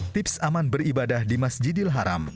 tips aman beribadah di masjidil haram